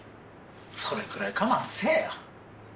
それくらい我慢せえよ。